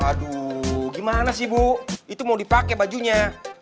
aduh gimana sih bu itu mau dipakai bajunya